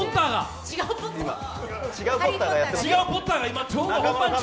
違うポッターが今、ちょうど本番中。